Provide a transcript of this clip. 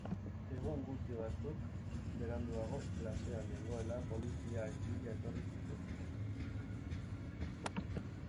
Egun gutxi batzuk beranduago, klasean nengoela, poliziak bila etorri zitzaizkidan.